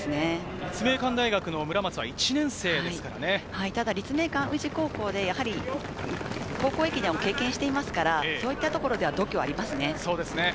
立命館大学の村松は一年ただ、立命館宇治高校で高校駅伝を経験していますから、そういうところでは度胸がありますね。